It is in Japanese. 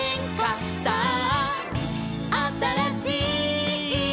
「さああたらしい」